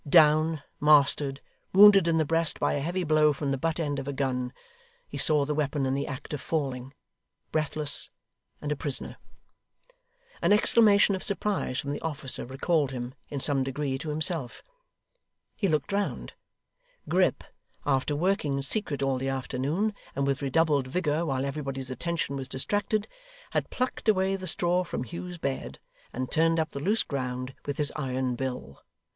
Down, mastered, wounded in the breast by a heavy blow from the butt end of a gun (he saw the weapon in the act of falling) breathless and a prisoner. An exclamation of surprise from the officer recalled him, in some degree, to himself. He looked round. Grip, after working in secret all the afternoon, and with redoubled vigour while everybody's attention was distracted, had plucked away the straw from Hugh's bed, and turned up the loose ground with his iron bill.